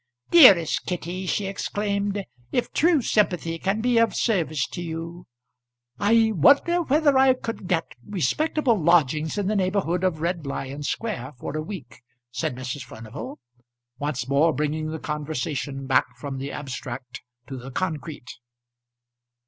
"Dearest Kitty!" she exclaimed. "If true sympathy can be of service to you " "I wonder whether I could get respectable lodgings in the neighbourhood of Red Lion Square for a week?" said Mrs. Furnival, once more bringing the conversation back from the abstract to the concrete.